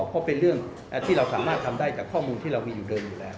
เพราะเป็นเรื่องที่เราสามารถทำได้จากข้อมูลที่เรามีอยู่เดิมอยู่แล้ว